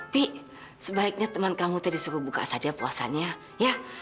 pi sebaiknya teman kamu teh disuruh buka saja puasanya ya